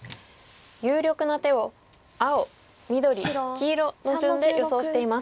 有力な手を青緑黄色の順で予想しています。